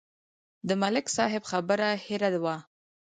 د ملک صاحب خبره هېره وه.